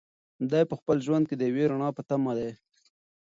دی په خپل ژوند کې د یوې رڼا په تمه دی.